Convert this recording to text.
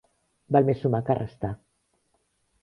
Val més sumar que restar.